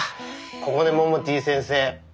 ここねモモティ先生